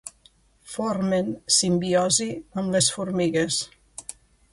Formen simbiosi amb les formigues.